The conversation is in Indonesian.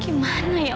gimana ya allah